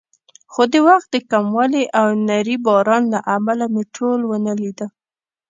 خو د وخت د کموالي او نري باران له امله مې ټول ونه لیدل.